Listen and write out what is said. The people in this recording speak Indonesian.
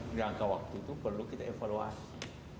di rangka waktu itu perlu kita evaluasi